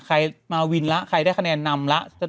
ใครมาวินแล้วใครได้คะแนนนำละ